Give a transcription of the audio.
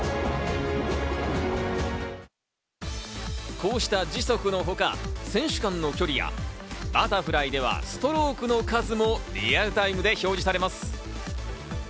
こうした時速のほか、選手間の距離やバタフライではストロークの数もリアルタイムで表示されます。